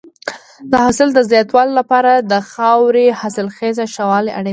د حاصل د زیاتوالي لپاره د خاورې د حاصلخېزۍ ښه والی اړین دی.